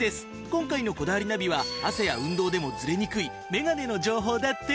今回の『こだわりナビ』は汗や運動でもズレにくいメガネの情報だって！